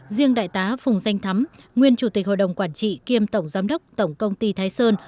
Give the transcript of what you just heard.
riêng đại tá phùng danh thắm nguyên chủ tịch hội đồng quản trị kiêm tổng giám đốc tổng công ty thái sơn